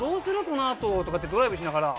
このあと」とかってドライブしながら。